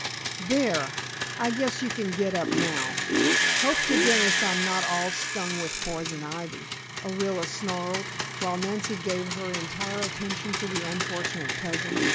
"There; I guess you can get up now. Hope to goodness I'm not all stung with poison ivy," Orilla snarled, while Nancy gave her entire attention to the unfortunate cousin.